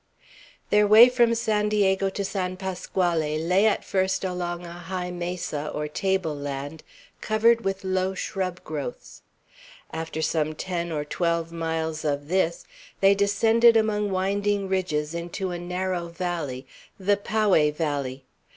Their way from San Diego to San Pasquale lay at first along a high mesa, or table land, covered with low shrub growths; after some ten or twelve miles of this, they descended among winding ridges, into a narrow valley, the Poway valley.